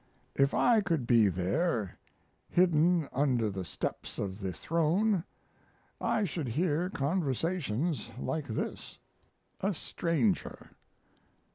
If I could be there, hidden under the steps of the throne, I should hear conversations like this: A STRANGER.